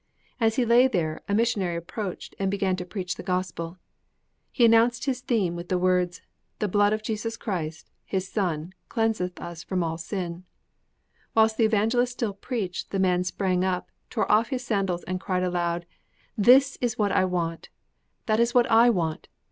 As he lay there, a missionary approached and began to preach the gospel. He announced as his theme the words: "The blood of Jesus Christ, His Son, cleanseth us from all sin." Whilst the evangelist still preached, the man sprang up, tore off his sandals, and cried aloud: "That is what I want!